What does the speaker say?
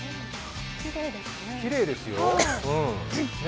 きれいですよ。